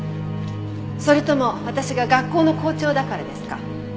それとも私が学校の校長だからですか？